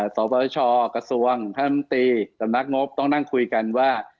สตร์ประชากระทรวงธนตรีสำนักงบต้องนั่งคุยกันว่า